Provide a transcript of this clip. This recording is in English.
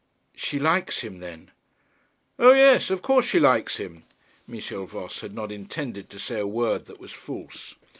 'She likes him, then?' 'O, yes; of course she likes him.' Michel Voss had not intended to say a word that was false.